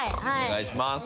お願いします。